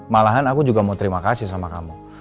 malahan aku juga mau terima kasih sama kamu